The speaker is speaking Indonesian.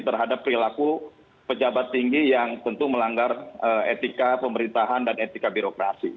terhadap perilaku pejabat tinggi yang tentu melanggar etika pemerintahan dan etika birokrasi